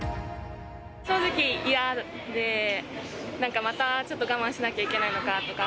正直、嫌で、なんかまたちょっと我慢しなきゃいけないのかとか。